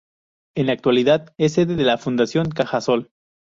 En la actualidad es sede de la Fundación Cajasol.